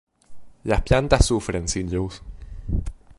Las plantas sufren sin luz.